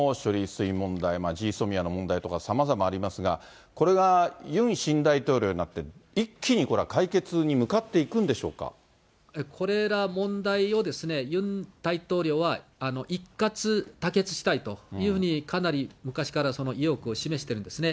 水問題、ジーソミアの問題とかさまざまありますが、これがユン新大統領になって一気にこれは解決に向かっていくんでこれら問題をユン大統領は、一括妥結したいというふうに、かなり昔から意欲を示してるんですね。